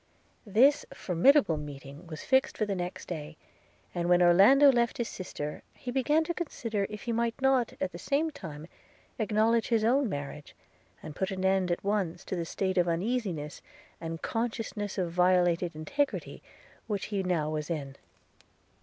This formidable meeting was fixed for the next day; and when Orlando left his sister, he began to consider if he might not, at the same time, acknowledge his own marriage, and put an end, at once, to the state of uneasiness, and consciousness of violated integrity which he now was in.